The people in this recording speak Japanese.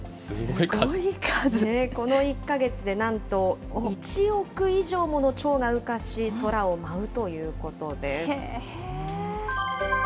この１か月で、なんと１億以上ものチョウが羽化し、空を舞うということです。